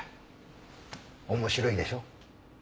面白いでしょ？